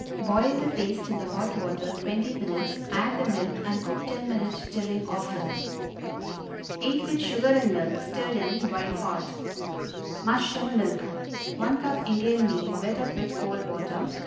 Boil the paste in the hot water twenty minutes; add the milk and cook ten minutes more, stirring often. Eat with sugar and milk, stirred in while hot. MUSH AND MILK. 1 cup Indian meal, wet up with cold water.